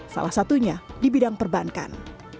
salah satunya di bidang perbankan